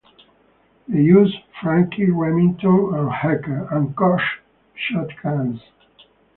They use Franchi, Remington and Heckler and Koch shotguns.